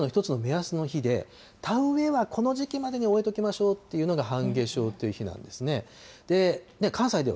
農作業の一つの目安の日で、田植えはこの時期までに終えときましょうっていうのが半夏生という日なんですね。